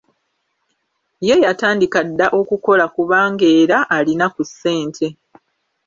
Ye yatandika dda okukola kubanga era alina ku ssente.